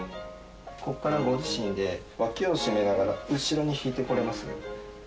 ここからご自身で、脇を締めながら、後ろに引いてこれます？